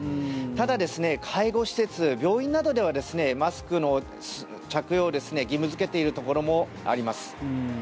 ただ、介護施設、病院などではマスクの着用を義務付けているところもあります。